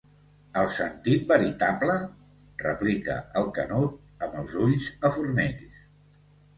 ¿El sentit veritable?, replica el Canut, amb els ulls a Fornells.